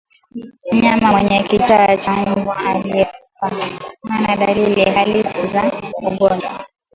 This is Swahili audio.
Mnyama mwenye kichaa cha mbwa aliyekufa hana dalili halisi za ugonjwa